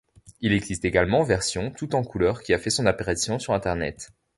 Il existe également version tout en couleur qui a fait son apparition sur internet.